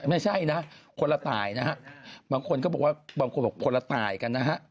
ไม่ใช่นะคนละตายนะฮะบางคนก็บอกว่าบางคนบอกคนละตายกันนะฮะ